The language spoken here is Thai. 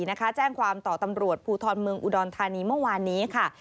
แจ้งความต่อตำรวจภูทรเมืองอุดรธานีเมื่อวานนี้ค่ะ